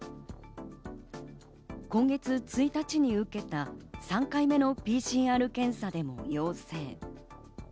今月１日に受けた３回目のＰＣＲ検査でも陽性。